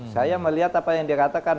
saya melihat apa yang dikatakan